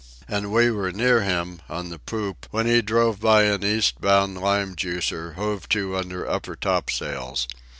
And we were near him, on the poop, when he drove by an east bound lime juicer, hove to under upper topsails.